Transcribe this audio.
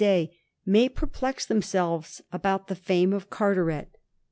309 day may perplex themselves about the fame of Carteret.